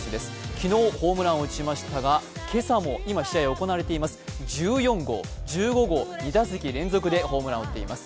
昨日、ホームランを打ちましたが、今朝も、今、試合が行われています、１４号、１５号、２打席連続でホームランを打っています。